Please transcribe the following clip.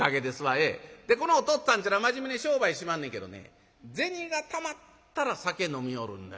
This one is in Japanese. でこのおとっつぁんっちゅうのは真面目に商売しまんねんけどね銭がたまったら酒飲みよるんで。